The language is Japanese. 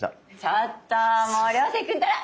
ちょっともう涼星君ったら。